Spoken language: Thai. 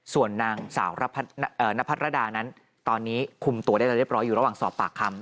ส่วนนางสาวนพัทรดานั้นตอนนี้คุมตัวได้แล้วเรียบร้อยอยู่ระหว่างสอบปากคำ